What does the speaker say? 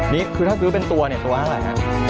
นี่คือถ้าซื้อเป็นตัวเนี่ยตัวเท่าไหร่ฮะ